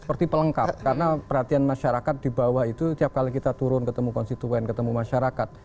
seperti pelengkap karena perhatian masyarakat di bawah itu tiap kali kita turun ketemu konstituen ketemu masyarakat